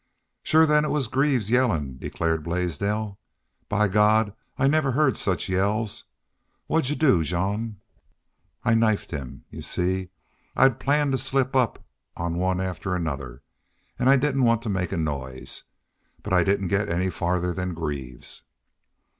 "Shore then it was Greaves yellin'," declared Blaisdell. "By God, I never heard such yells! Whad 'd you do, Jean?" "I knifed him. You see, I'd planned to slip up on one after another. An' I didn't want to make noise. But I didn't get any farther than Greaves."